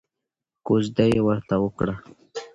کوژده یې ورته وکړه.